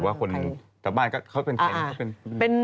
แต่ว่าคนจากบ้านเขาเป็นแชง